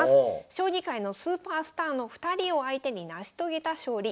将棋界のスーパースターの２人を相手に成し遂げた勝利。